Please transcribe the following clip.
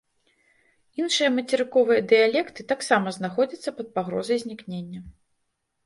Іншыя мацерыковыя дыялекты таксама знаходзяцца пад пагрозай знікнення.